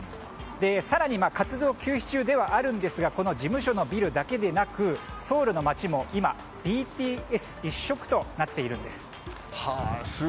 更に、活動休止中ではあるんですがこの事務所のビルだけでなくソウルの街も今、ＢＴＳ一色となっているんです。